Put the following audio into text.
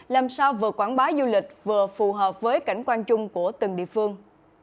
làm sao vừa quảng bá du lịch vừa phù hợp với cảnh quan chung của từng địa phương